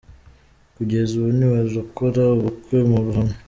Kugeza ubu ntibarakora ubukwe mu ruhame.